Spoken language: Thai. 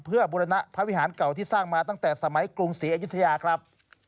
เพื่อบุรณพระวิหารเก่าที่สร้างมาตั้งแต่สมัยกรุงศรีอยุธยาครับ